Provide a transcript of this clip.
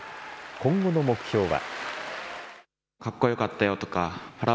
今後の目標は。